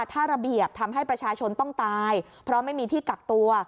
ถ้าระเบียบทำให้ประชาชนต้องตายเพราะไม่มีที่กักตัว